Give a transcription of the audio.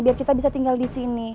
biar kita bisa tinggal disini